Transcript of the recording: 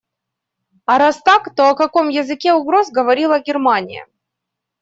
А раз так, то о каком языке угроз говорила Германия?